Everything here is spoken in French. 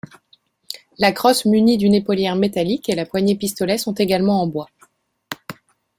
La crosse munie d'une épaulière métallique et la poignée-pistolet sont également en bois.